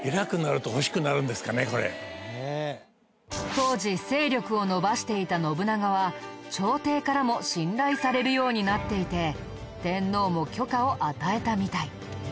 当時勢力を伸ばしていた信長は朝廷からも信頼されるようになっていて天皇も許可を与えたみたい。